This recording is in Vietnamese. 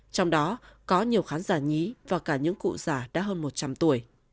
trong đó có nhiều khán giả nhí và cả những cụ già đã hơn một trăm linh tuổi